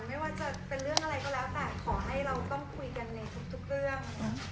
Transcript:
ไม่ว่าจะเป็นเรื่องอะไรก็แล้วแต่ขอให้เราต้องคุยกันในทุกเรื่อง